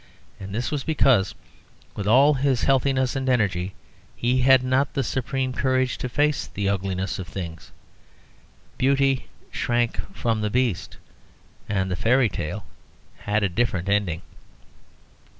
And this was because, with all his healthiness and energy, he had not the supreme courage to face the ugliness of things; Beauty shrank from the Beast and the fairy tale had a different ending.